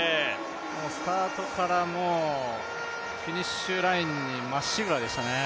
スタートからもう、フィニッシュラインにまっしぐらでしたね。